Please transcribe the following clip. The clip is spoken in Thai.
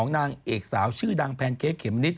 นางเอกสาวชื่อดังแพนเค้กเข็มนิด